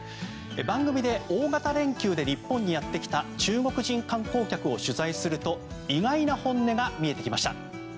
番組で、大型連休で日本にやってきた中国人観光客を取材すると意外な本音が見えてきました。